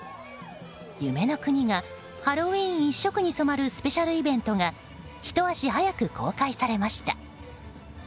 夢の国がハロウィーン一色に染まるスペシャルイベントがひと足早く公開されました。